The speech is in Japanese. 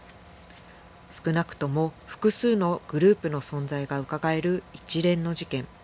少なくとも複数のグループの存在がうかがえる一連の事件。